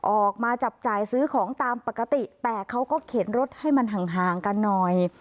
ออกมาจับจ่ายซื้อของตามปกติแต่เขาก็เข็นรถให้มันห่างกันหน่อย